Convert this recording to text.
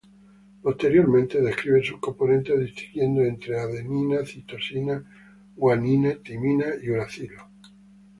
Posteriormente, describe sus componentes, distinguiendo entre adenina, citosina, guanina, timina y uracilo.